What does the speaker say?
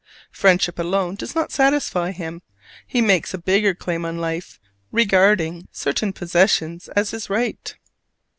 Friendship alone does not satisfy him: he makes a bigger claim on life, regarding certain possessions as his right.